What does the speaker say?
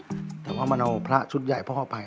แต่ว่ามันเอาพระชุดใหญ่พ่อไป